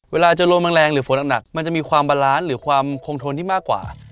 เวลาจะลมแรงหรือฝนหนักมันจะมีความบาลานซ์หรือความคงทนที่มากกว่า